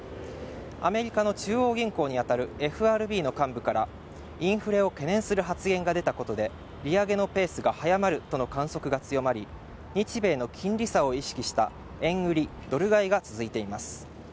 アメリカの中央銀行にあたるＦＲＢの幹部からインフレを懸念する発言が出たことで利上げのペースが早まるとの観測が強まり日米の金利差を意識した円売りドル買いが続いています